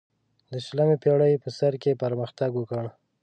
د شلمې پیړۍ په سر کې پرمختګ وکړ.